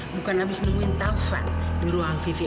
bukan abis nungguin taufan di ruang vvip